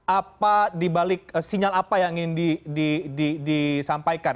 apa di balik sinyal apa yang ingin disampaikan